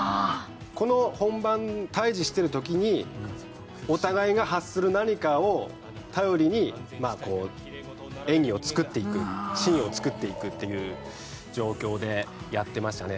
この本番対峙してる時にお互いが発する何かを頼りにまあこう演技をつくっていくシーンをつくっていくっていう状況でやってましたね